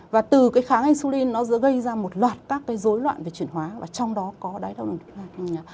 và từ cái kháng insulin nó sẽ gây ra một loạt các dối loạn về chuyển hóa và trong đó có đai tháo đường type hai